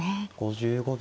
５５秒。